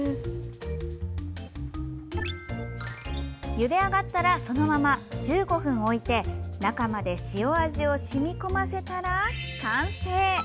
ゆで上がったらそのまま１５分置いて中まで塩味を染み込ませたら完成。